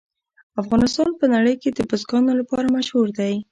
افغانستان په نړۍ کې د بزګانو لپاره مشهور دی.